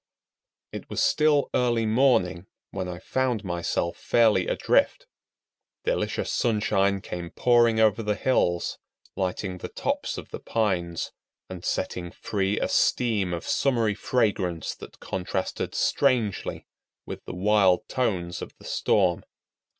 It was still early morning when I found myself fairly adrift. Delicious sunshine came pouring over the hills, lighting the tops of the pines, and setting free a steam of summery fragrance that contrasted strangely with the wild tones of the storm.